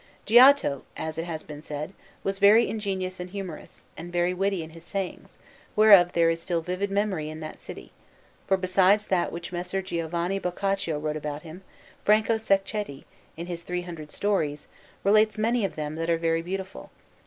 Giotto, as it has been said, was very ingenious and humorous, and very witty in his sayings, whereof there is still vivid memory in that city; for besides that which Messer Giovanni Boccaccio wrote about him, Franco Sacchetti, in his three hundred Stories, relates many of them that are very beautiful.